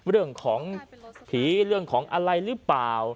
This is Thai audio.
เรื่องของผีเรื่องของอะไรหรือเปล่า